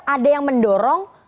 ada yang mendorong